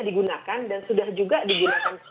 digunakan dan sudah juga digunakan